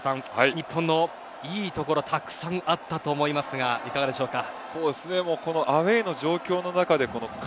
日本のいいところたくさんあったと思いますがいかがでしょうか。